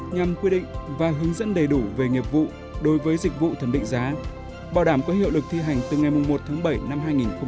nhằm quy định và hướng dẫn đầy đủ về nghiệp vụ đối với dịch vụ thẩm định giá bảo đảm có hiệu lực thi hành từ ngày một tháng bảy năm hai nghìn hai mươi